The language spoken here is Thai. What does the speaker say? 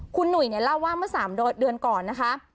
คุณหนุ่ยเนี่ยเล่าว่าเมื่อ๓เดือนก่อนนะคะ